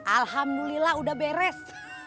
alhamdulillah udah beres